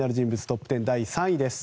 トップ１０第３位です。